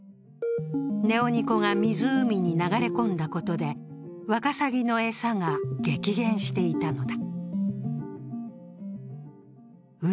ネオニコが湖に流れ込んだことでワカサギの餌が激減していたのだ。